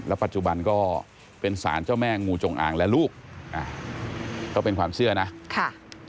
ปัจจุบันก็เป็นสารเจ้าแม่งูจงอางและลูกก็เป็นความเชื่อนะค่ะ